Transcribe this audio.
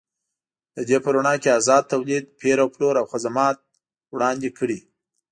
د دې په رڼا کې ازاد تولید، پېر او پلور او خدمات وړاندې کړي.